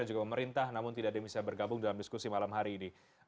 dan juga pemerintah namun tidak ada yang bisa bergabung dalam diskusi malam hari ini